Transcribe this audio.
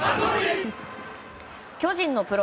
巨人のプロ